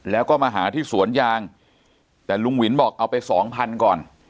แล้วก็มาหาที่สวนยางแต่ลุงวินบอกเอาไปสองพันก่อน